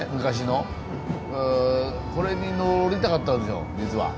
これに乗りたかったんですよ実は。